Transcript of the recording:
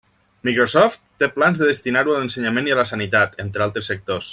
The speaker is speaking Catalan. Microsoft té plans de destinar-ho a l'ensenyament i a la sanitat, entre altres sectors.